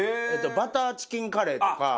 バターチキンカレーとか。